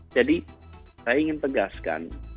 jadi saya ingin tegaskan